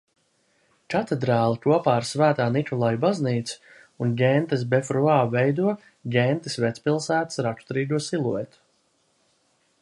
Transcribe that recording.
Katedrāle kopā ar Svētā Nikolaja baznīcu un Gentes befruā veido Gentes vecpilsētas raksturīgo siluetu.